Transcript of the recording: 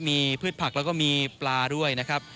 มีพืชผักแล้วก็มีปลาด้วยนะครับ